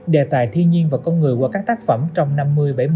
đề tài thiên nhiên và con người qua các tác phẩm trong năm bảy mươi tám mươi